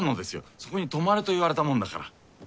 そこに泊まれと言われたもんだから。